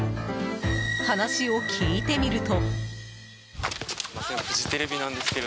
話を聞いてみると。